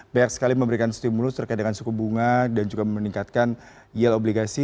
banyak sekali memberikan stimulus terkait dengan suku bunga dan juga meningkatkan yield obligasi